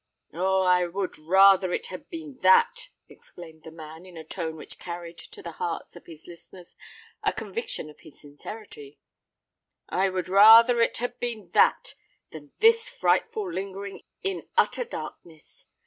"Oh! I would rather it had been that," exclaimed the man, in a tone which carried to the hearts of his listeners a conviction of his sincerity,—"I would rather it had been that, than this frightful lingering in utter darkness!